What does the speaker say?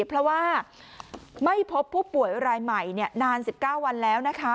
เพราะว่าไม่พบผู้ป่วยรายใหม่นาน๑๙วันแล้วนะคะ